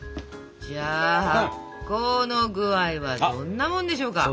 じゃあ発酵の具合はどんなもんでしょうか？